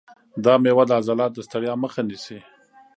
دا مېوه د عضلاتو د ستړیا مخه نیسي.